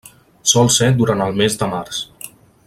Sol ser durant el mes de març.